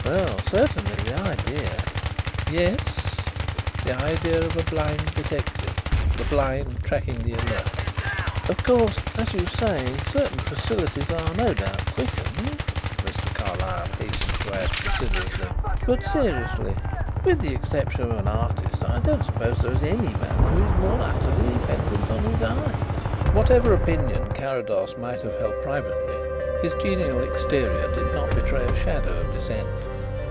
"Well, certainly, the idea " "Yes, the idea of a blind detective the blind tracking the alert " "Of course, as you say, certain facilities are no doubt quickened," Mr. Carlyle hastened to add considerately, "but, seriously, with the exception of an artist, I don't suppose there is any man who is more utterly dependent on his eyes." Whatever opinion Carrados might have held privately, his genial exterior did not betray a shadow of dissent.